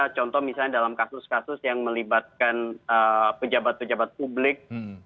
contoh misalnya dalam kasus kasus yang melibatkan pejabat pejabat publik